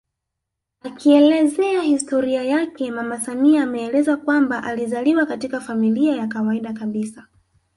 Akielezea historia yake mama samia ameelezea kwamba alizaliwa katika familia ya kawaida kabisa